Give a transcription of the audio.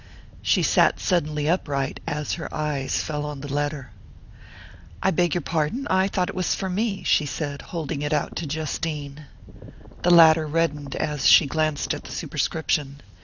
She sat suddenly upright as her eyes fell on the letter. "I beg your pardon! I thought it was for me," she said, holding it out to Justine. The latter reddened as she glanced at the superscription.